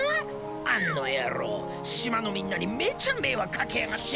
あんの野郎島のみんなにめっちゃ迷惑かけやがって。